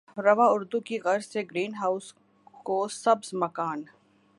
رواں اردو کی غرض سے گرین ہاؤس کو سبز مکان